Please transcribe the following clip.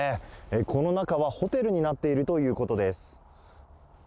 この中はホテルになっているということです。